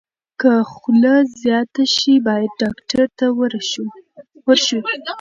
که خوله زیاته شي، باید ډاکټر ته ورشو.